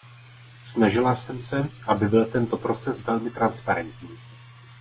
Snažila jsem se, aby byl tento proces velmi transparentní.